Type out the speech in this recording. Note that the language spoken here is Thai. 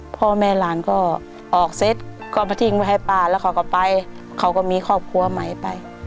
พ่อแม่หลานก็ออกเสร็จก็มาทิ้งไว้ให้ป้าแล้วเขาก็ไปเขาก็มีครอบครัวใหม่ไป